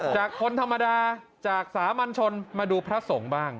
คนธรรมดาจากสามัญชนมาดูพระสงฆ์บ้าง